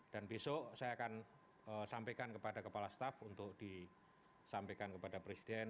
dan besok saya akan sampaikan kepada kepala staff untuk disampaikan kepada presiden